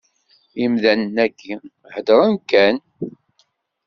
Imdanen-agi, heddren kan.